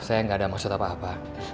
saya nggak ada maksud apa apa